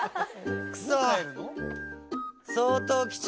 クソ！